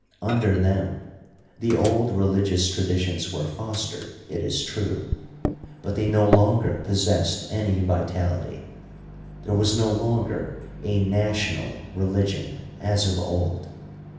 Under them the old religious traditions were fostered, it is true, but they no longer possessed any vitality — ^there was no longer a national religion as of old.